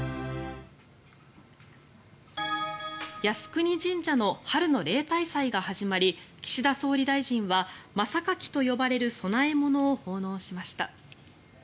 靖国神社の春の例大祭が始まり岸田総理大臣は真榊と呼ばれる供え物を奉納しました。